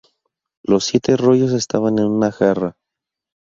Los siete rollos estaban en una jarra.